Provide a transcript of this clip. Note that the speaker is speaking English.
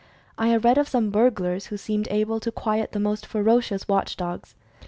I have read of some burglars who seemed able to quiet the most ferocious watch dogs.